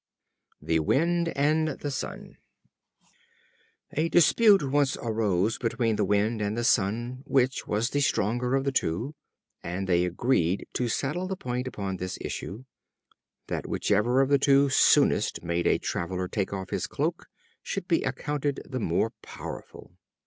The Wind and the Sun. A dispute once arose between the Wind and the Sun, which was the stronger of the two, and they agreed to settle the point upon this issue that whichever of the two soonest made a traveler take off his cloak, should be accounted the more powerful.